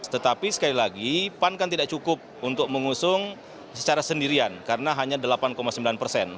tetapi sekali lagi pan kan tidak cukup untuk mengusung secara sendirian karena hanya delapan sembilan persen